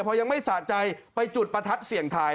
พอยังไม่สะใจไปจุดประทัดเสี่ยงทาย